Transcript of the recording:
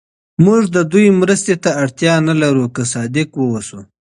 موږ د دوی مرستې ته اړتیا نه لرو که صادق واوسو.